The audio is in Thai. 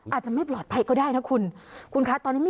อาจจะไม่ปลอดภัยก็ได้นะคุณ